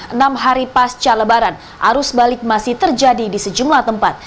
enam hari pasca lebaran arus balik masih terjadi di sejumlah tempat